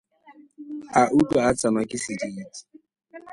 A utlwa a tsewa ke sedidi.